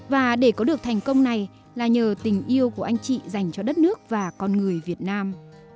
và để có được thành công này là nhờ tình yêu của anh chị dành cho đất nước và con người việt nam